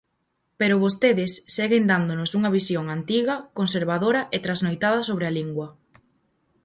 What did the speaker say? Pero vostedes seguen dándonos unha visión antiga, conservadora e trasnoitada sobre a lingua.